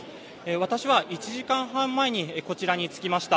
私は１時間半前にこちらに着きました。